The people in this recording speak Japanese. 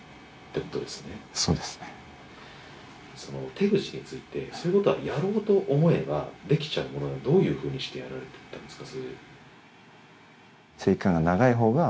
手口についてそういうことはやろうと思えばできちゃうものどういうふうにしてやられていったんですか？